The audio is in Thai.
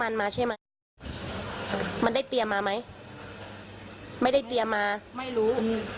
ไม่รู้